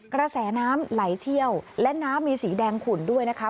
กระแสน้ำไหลเชี่ยวและน้ำมีสีแดงขุ่นด้วยนะคะ